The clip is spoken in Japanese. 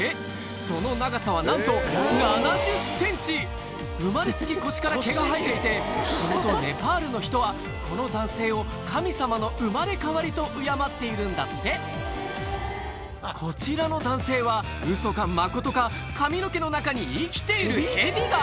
その長さはなんと生まれつき腰から毛が生えていて地元ネパールの人はこの男性を神様の生まれ変わりと敬っているんだってこちらの男性はウソかマコトか髪の毛の中に生きているヘビが！